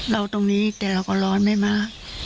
เราตรงนี้แต่เราก็ร้อนได้มาก